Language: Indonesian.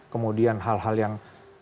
kemudian hal hal yang